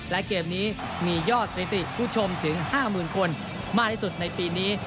และเกมนี้มียอดสถิติผู้ชมถึง๕๐๐๐คนมากที่สุดในปีนี้